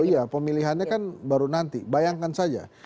oh iya pemilihannya kan baru nanti bayangkan saja